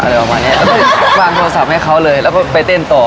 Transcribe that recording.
แล้วก็ไปเต้นต่อ